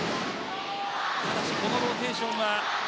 しかし、このローテーションは。